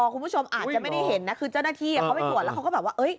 คุณผู้ชมอาจจะไม่ได้เห็นนะคือเจ้าหน้าที่เขาไปตรวจแล้วเขาก็แบบว่า